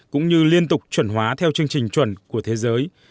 cũng như liên tục chuẩn hóa theo chương trình chuẩn của thế giới